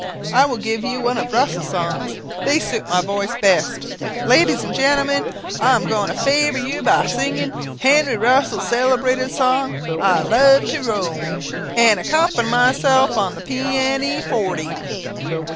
I will give you one of Russell's songs; they suit my voice best. Ladies and gentlemen, I am going to favour you by singing Henry Russell's celebrated song, 'I love to roam,' and accompany myself upon the pee a ne forty."